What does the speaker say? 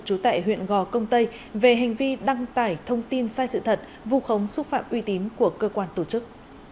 trú tại huyện gò công tây về hành vi đăng tải thông tin sai sự thật vụ khống xúc phạm uy tín của cơ quan tổ chức